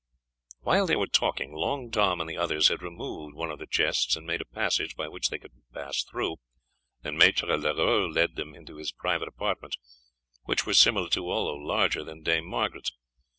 While they were talking Long Tom and the others had removed one of the chests and made a passage by which they could pass through, and Maître Leroux led them into his private apartments, which were similar to, although larger than, Dame Margaret's.